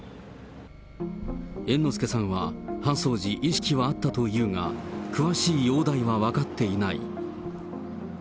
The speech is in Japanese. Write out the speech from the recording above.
猿之助さんは搬送時、意識はあったというが、詳しい容体は分かっていない。